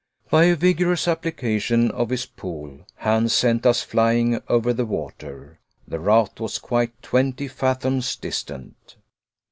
By a vigorous application of his pole Hans sent us flying over the water. The raft was quite twenty fathoms distant.